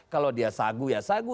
kalau dia sagu ya sagu